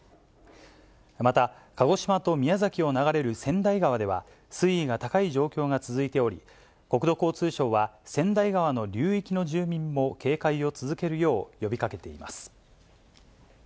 また鹿児島と宮崎を流れる川内川では、水位が高い状況が続いており、国土交通省は、川内川の流域の住民も警戒を続けるよう呼びかけています。